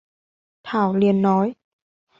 Thảo liền nói